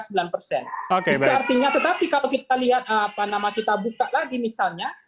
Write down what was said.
itu artinya tetapi kalau kita lihat apa nama kita buka lagi misalnya